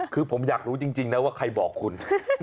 คือผมอยากรู้จริงนะว่าใครบอกคุณ